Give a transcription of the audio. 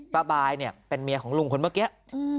บายเนี่ยเป็นเมียของลุงคนเมื่อกี้